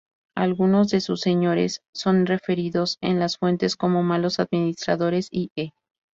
Algunos de sus señores son referidos en la fuentes como "malos administradores", i.e.